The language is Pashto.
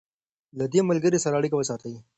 له دې ملګري سره اړیکه وساتئ.